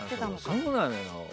そうなのよ。